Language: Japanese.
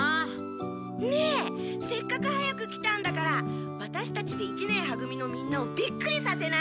ねえせっかく早く来たんだからワタシたちで一年は組のみんなをビックリさせない？